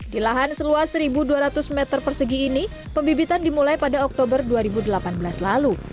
di lahan seluas satu dua ratus meter persegi ini pembibitan dimulai pada oktober dua ribu delapan belas lalu